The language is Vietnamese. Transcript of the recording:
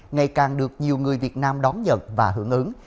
ngày càng được nhiều người việt nam đón nhận và hưởng ứng